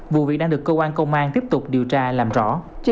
vụ việc đang được cơ quan công an tiếp tục điều tra làm rõ